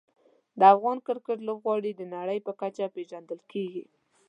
د افغان کرکټ لوبغاړي د نړۍ په کچه پېژندل کېږي.